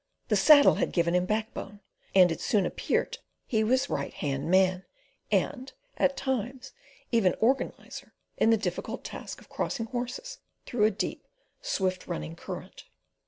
The saddle had given him backbone, and it soon appeared he was right hand man, and, at times, even organiser in the difficult task of crossing horses through a deep, swift running current.